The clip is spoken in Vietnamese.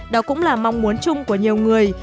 đó cũng là mong muốn chung của nhiều người